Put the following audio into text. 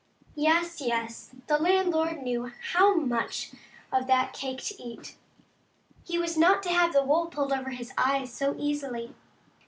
Yes, yes, the landlord knew how much of that cake to eat. He was not to have the wool pulled over his eyes so easily.